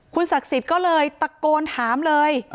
คุณสักสิทธิ์ก็เลยตะโกนถามเลย